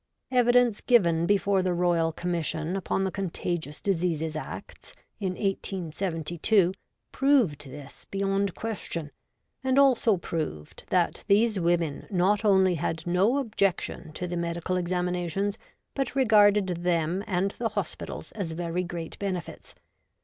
Evidence given before the Royal Commission upon the Contagious Diseases Acts in 1872 proved this beyond question, and also proved that these women not only had no objection to the medical examinations, but regarded them and the hospitals as very great benefits.